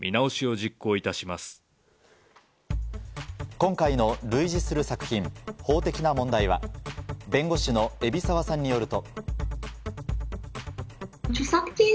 今回の類似する作品、法的な問題は、弁護士の海老澤さんによると。